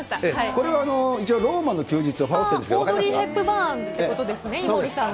これは一応、ローマの休日をパロっているんですけれども、オードリー・ヘプバーンということですね、井森さんが。